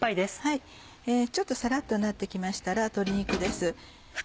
ちょっとさらっとなって来ましたら鶏肉です。